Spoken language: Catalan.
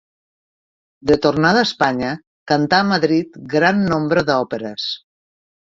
De tornada a Espanya, cantà a Madrid gran nombre d'òperes.